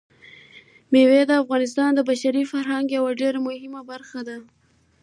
مېوې د افغانستان د بشري فرهنګ یوه ډېره مهمه برخه ده.